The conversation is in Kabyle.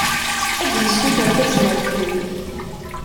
Ad d-yessuter tazmert-iw.